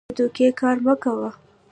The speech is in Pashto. د دوکې کار مه کوه.